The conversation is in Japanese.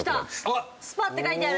「ｓｐａ」って書いてある。